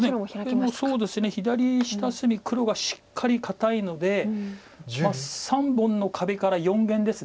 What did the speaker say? もう左下隅黒がしっかり堅いので３本の壁から四間です。